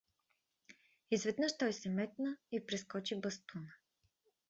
Изведнъж той се метна и прескочи бастуна.